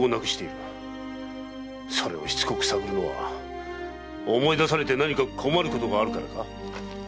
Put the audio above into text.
それをしつこく探るのは思い出されて何か困ることがあるからか？